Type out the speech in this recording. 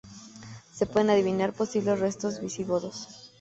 Se pueden adivinar posibles restos visigodos.